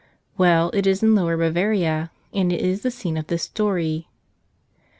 Well, it is in Lower Bavaria; and it is the scene of this story.